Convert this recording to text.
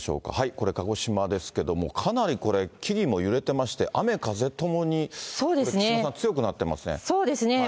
これ、鹿児島ですけど、かなりこれ、木々も揺れていまして、雨風ともにこれ、木島さん、強くなっそうですね。